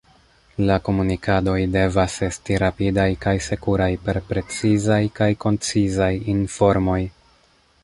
La komunikadoj devas esti rapidaj kaj sekuraj per precizaj kaj koncizaj informoj.